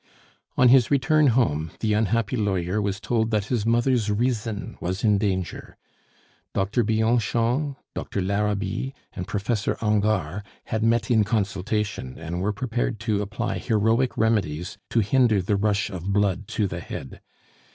On his return home, the unhappy lawyer was told that his mother's reason was in danger. Doctor Bianchon, Doctor Larabit, and Professor Angard had met in consultation, and were prepared to apply heroic remedies to hinder the rush of blood to the head.